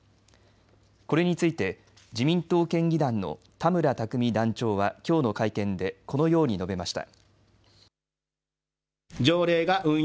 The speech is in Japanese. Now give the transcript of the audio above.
これについて自民党県議団の田村琢実団長はきょうの会見でこのように述べました。